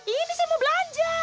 ini saya mau belanja